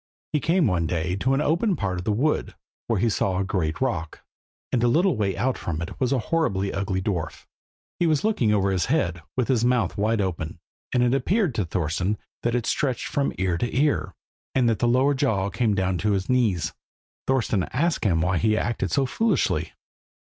He came one day to an open part of the wood, where he saw a great rock, and a little way out from it was a horribly ugly dwarf. He was looking over his head, with his mouth wide open, and it appeared to Thorston that it stretched from ear to ear, and that the lower jaw came down to his knees. Thorston asked him why he acted so foolishly.